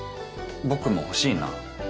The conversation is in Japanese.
僕も欲しいな。